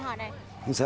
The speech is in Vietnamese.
không sợ không sợ